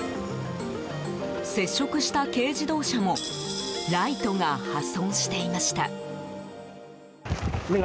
接触した軽自動車もライトが破損していました。